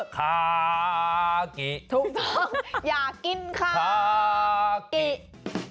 คากิถูกอย่ากินคากิ